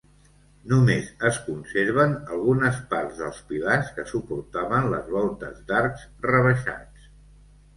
Només es conserven algunes parts dels pilars que suportaven les voltes d'arcs rebaixats.